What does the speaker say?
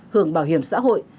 hưởng bảo hiểm xã hội